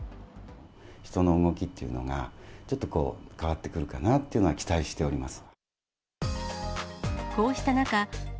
人の動きっていうのが、ちょっと変わってくるかなっていうのは期待しております。